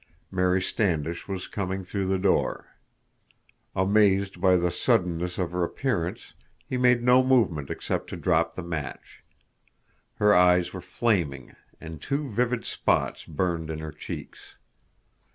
Mary Standish was coming through the door. Amazed by the suddenness of her appearance, he made no movement except to drop the match. Her eyes were flaming, and two vivid spots burned in her cheeks.